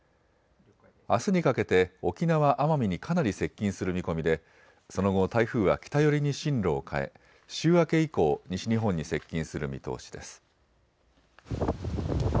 あすにかけて沖縄・奄美にかなり接近する見込みでその後、台風は北寄りに進路を変え週明け以降、西日本に接近する見通しです。